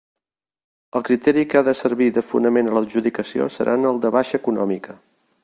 El criteri que ha de servir de fonament a l'adjudicació seran el de baixa econòmica.